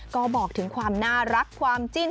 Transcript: ก็บอกถึงความน่ารักความจิ้น